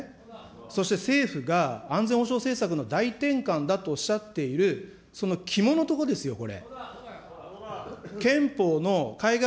そして政府が安全保障政策の大転換だとおっしゃっている、その肝のところですよ、これ。